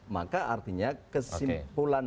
maka artinya kesimpulannya